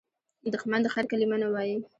دښمن د خیر کلمه نه وايي